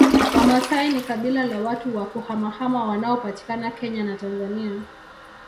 Wamasai ni kabila la watu wa kuhamahama wanaopatikana Kenya na Tanzania